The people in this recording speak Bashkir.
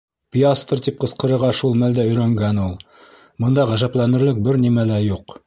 «Пиастр» тип ҡысҡырырға шул мәлдә өйрәнгән ул. Бында ғәжәпләнерлек бер нимә лә юҡ.